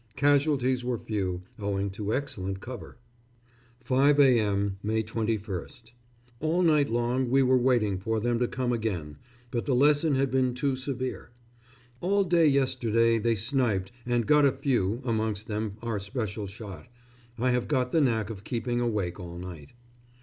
Casualties were few, owing to excellent cover.... 5 a.m., May 21st. All night long we were waiting for them to come again, but the lesson had been too severe. All day yesterday they sniped and got a few, amongst them our special shot.... I have got the knack of keeping awake all night.